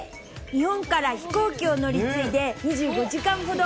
日本から飛行機を乗り継いで２５時間ほど。